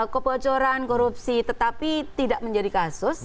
kebocoran korupsi tetapi tidak menjadi kasus